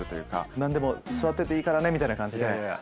何でも「座ってていいからね」みたいな感じで。